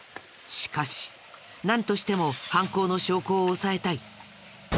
しかしなんとしても犯行の証拠を押さえたい。